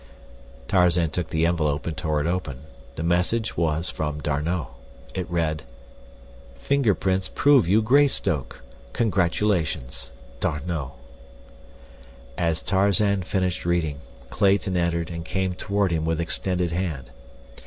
Tarzan took the envelope and tore it open. The message was from D'Arnot. It read: Fingerprints prove you Greystoke. Congratulations. D'ARNOT. As Tarzan finished reading, Clayton entered and came toward him with extended hand.